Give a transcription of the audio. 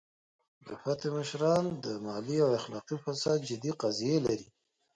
د فتح مشران د مالي او اخلاقي فساد جدي قضیې لري.